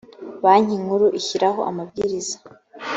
banki nkuru ishyiraho amabwiriza